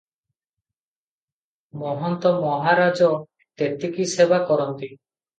ମହନ୍ତ ମହାରାଜ ତେତିକି ସେବା କରନ୍ତି ।